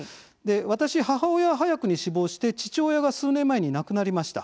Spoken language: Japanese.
私、母親は早くに死亡して父親が数年前に亡くなりました。